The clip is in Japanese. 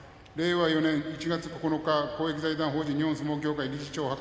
令和４年１月９日公益財団法人日本相撲協会理事長